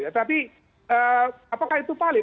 tapi apakah itu palit